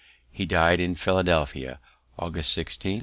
He died in Philadelphia August 16, 1758.